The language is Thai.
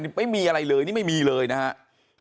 ไม่มีอะไรเลยนี่ไม่มีเลยนะครับ